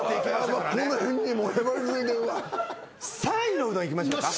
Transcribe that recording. ３位のうどんいきましょうか。